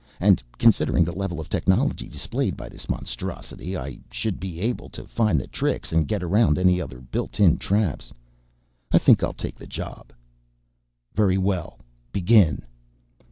And considering the level of technology displayed by this monstrosity I should be able to find the tricks and get around any other built in traps. I think I'll take the job." "Very well, begin."